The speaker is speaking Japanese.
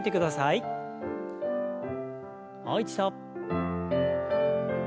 もう一度。